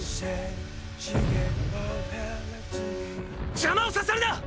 邪魔をさせるな！